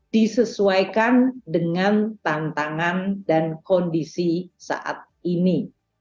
disesuaikan dengan tantangan dan kondisi saat ini